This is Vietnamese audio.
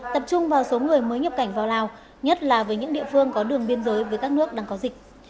tập trung vào số người mới nhập cảnh vào lào nhất là với những địa phương có đường biên giới với các nước đang có dịch